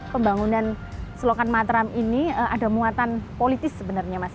pembangunan selokan mataram ini ada muatan politis sebenarnya mas